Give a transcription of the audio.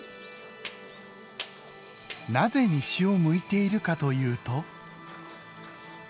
なぜ西を向いているかというと。